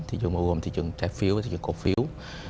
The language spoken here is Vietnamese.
thị trường bao gồm thị trường trái phiếu và thị trường cổ phiếu